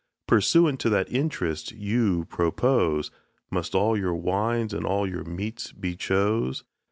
Pursuant to that interest you propose, Must all your wines and all your meat be chose.